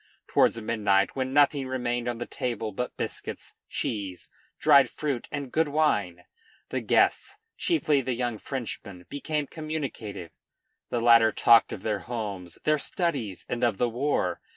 Towards midnight, when nothing remained on the table but biscuits, cheese, dried fruit, and good wine, the guests, chiefly the young Frenchmen, became communicative. The latter talked of their homes, their studies, and of the war.